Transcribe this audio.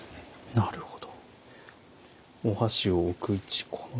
なるほど。